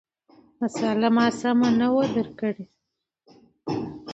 مسأله ما سمه نه وه درک کړې،